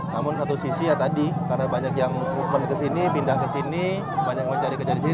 namun satu sisi ya tadi karena banyak yang movement kesini pindah ke sini banyak yang mencari kerja di sini